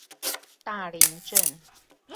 大林鎮